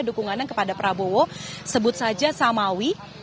dukungannya kepada prabowo sebut saja samawi